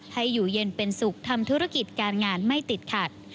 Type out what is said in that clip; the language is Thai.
ให้อยู่เย็นเป็นสุขทำธุรกิจการงานไม่ติดขัด